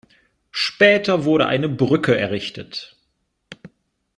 Später wurde eine Brücke errichtet.